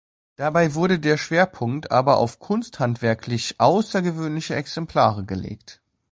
Dabei wurde der Schwerpunkt aber auf kunsthandwerklich außergewöhnliche Exemplare gelegt.